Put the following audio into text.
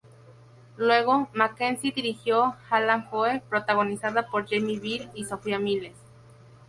Luego, Mackenzie dirigió "Hallam Foe", protagonizada por Jamie Bell y Sophia Myles.